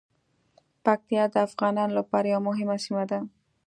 پکتیا د افغانانو لپاره یوه مهمه سیمه ده.